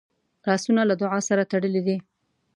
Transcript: لاسونه له دعا سره تړلي دي